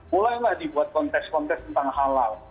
mulailah dibuat konteks konteks tentang halal